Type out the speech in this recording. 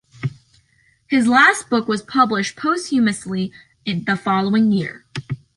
His last book was published posthumously the following year.